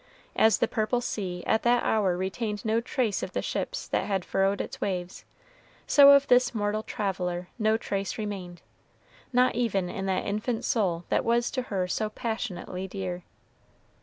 As the purple sea at that hour retained no trace of the ships that had furrowed its waves, so of this mortal traveler no trace remained, not even in that infant soul that was to her so passionately dear.